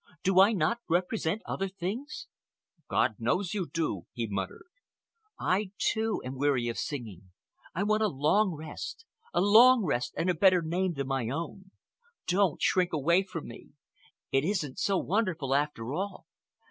Do I not represent other things?" "God knows you do!" he muttered. "I, too, am weary of singing. I want a long rest—a long rest and a better name than my own. Don't shrink away from me. It isn't so wonderful, after all.